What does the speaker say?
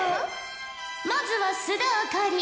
まずは須田亜香里。